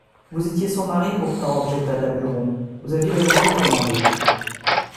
Vous étiez son mari, pourtant, objecta Daburon, vous aviez le droit de commander.